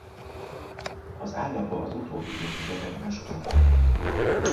Az állaga az utóbbi évtizedekben sokat romlott.